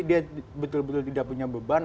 dia betul betul tidak punya beban